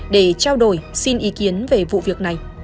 để trao đổi xin ý kiến về vụ việc này